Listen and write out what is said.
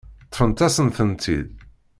Ṭṭfent-asen-tent-id.